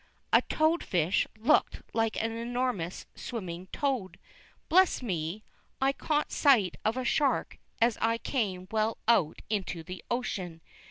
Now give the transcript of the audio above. A toad fish looked like an enormous, swimming toad. Bless me! I caught sight of a shark as I came well out into the ocean.